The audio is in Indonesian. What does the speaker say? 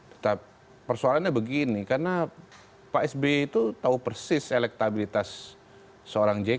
tetap persoalannya begini karena pak sby itu tahu persis elektabilitas seorang jk